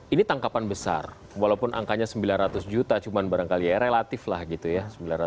ini tangkapan besar walaupun angkanya sembilan ratus juta cuma barangkali ya relatif lah gitu ya